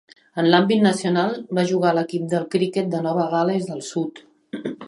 En l'àmbit nacional, va jugar a l'equip de criquet de Nova Gal·les del Sud.